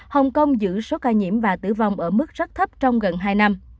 hồng kông giữ số ca nhiễm và tử vong ở mức rất thấp trong gần hai năm